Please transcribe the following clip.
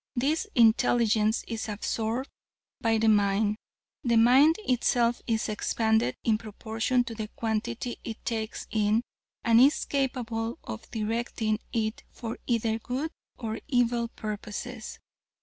This intelligence is absorbed by the mind. The mind itself is expanded in proportion to the quantity it takes in, and is capable of directing it for either good or evil purposes.